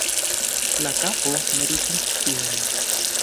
La kapo meritis tion.